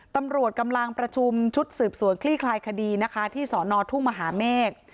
ตำรวจกำลังประชุมชุดสืบสวนคลี่คลายคดีนะคะที่สอนอทุ่งมหาเมฆ